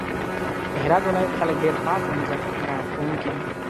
د هرات ولايت خلک ډېر پاک او نظافت مرعت کونکي دي